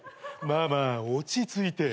まあまあ落ち着いて。